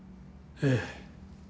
ええ。